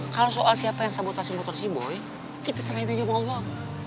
kalau soal siapa yang sabotasi motor si boy kita cerain aja sama allah